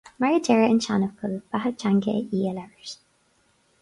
Mar a deir an seanfhocal "Beatha Teanga í a Labhairt".